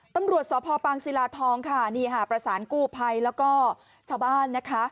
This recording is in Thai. ตำรวจสพปางศิลาทองค่ะนี่ค่ะประสานกู้ภัยแล้วก็ชาวบ้านนะคะ